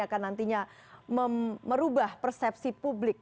akan nantinya merubah persepsi publik